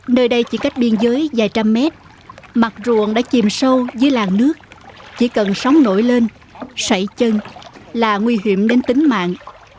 nơi đây chỉ cách biên giới vài trăm mét mặt ruộng đã chìm sâu dưới làng nước chỉ cần sóng nổi lên sẩy chân là nguy hiểm đến tính mạng